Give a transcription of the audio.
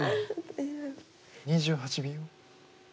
２８秒。